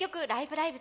ライブ！」